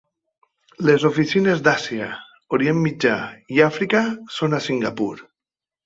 Les oficines d'Àsia, Orient Mitjà i Àfrica són a Singapur.